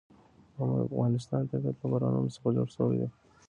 د افغانستان طبیعت له بارانونو څخه جوړ شوی دی.